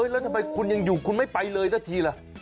แล้วทำไมคุณยังอยู่คุณไม่ไปเลยสักทีล่ะ